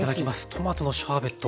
トマトのシャーベット